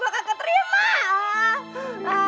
gua kagak terima